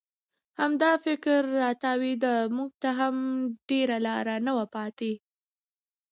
همدا فکر را تاوېده، موږ ته هم ډېره لاره نه وه پاتې.